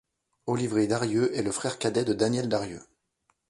Olivier Darrieux est le frère cadet de Danielle Darrieux.